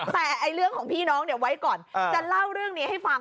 แต่เรื่องของพี่น้องเนี่ยไว้ก่อนจะเล่าเรื่องนี้ให้ฟัง